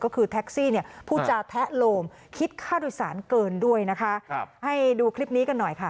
ก็คือแท็กซี่ผู้จาแทะโหลมคิดฆ่าโดยสารเกินด้วยให้ดูคลิปนี้กันหน่อยค่ะ